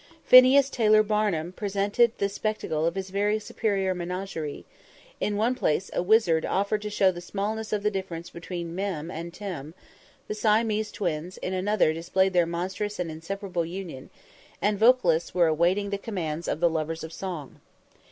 Phineas Taylor Barnum presented the spectacle of his very superior menagerie; in one place a wizard offered to show the smallness of the difference between meum and tuum; the Siamese Twins in another displayed their monstrous and inseparable union; and vocalists were awaiting the commands of the lovers of song.